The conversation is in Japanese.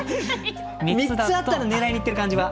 ３つあったら狙いにいってる感じは？